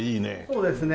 そうですね。